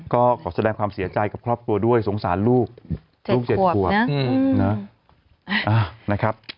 ก็ขอแสดงความเสียใจกับครอบครัวด้วยสงสารลูกลูก๗ขวบนะครับ